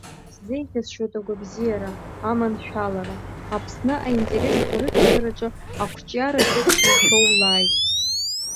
Ишәзеиӷьасшьоит агәабзиара, аманшәалара, Аԥсны аинтересқәа рыхьчараҿы ақәҿиара ҿыцқәа шәоулааит!